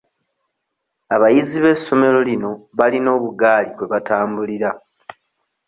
Abayizi b'essomero lino balina obugaali kwe batambulira.